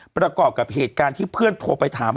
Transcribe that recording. ประกอบกับเหตุการณ์ที่เพื่อนโทรไปถาม